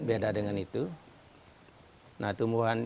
beda dengan itu